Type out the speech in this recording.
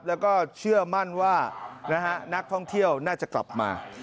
แล้วก็เชื่อมั่นว่านักท่องเที่ยวน่าจะกลับมา